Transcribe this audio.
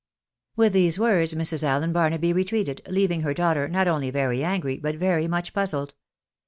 With these words Mrs. Allen Barnaby retreated, leaving her daughter not only very angry, but very much puzzled.